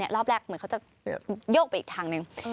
รอบแรกเหมือนเขาจะโยกไปอีกทางหนึ่ง